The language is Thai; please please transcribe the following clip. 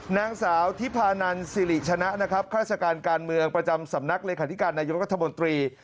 นางสาวทิพานันศิริชนะครัฐการณ์การเมืองประจำสำนักเลขาธิการนายุทธมตรี